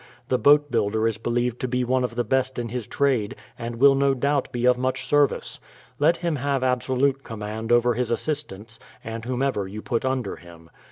The boat builder is believed to be one of the best in his trade, and will no doubt be of much service. Let him have absolute command over his assistants, and whomever you put under him.